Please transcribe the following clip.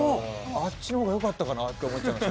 あっちの方がよかったかなと思っちゃいました。